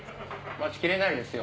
待ちきれないですよ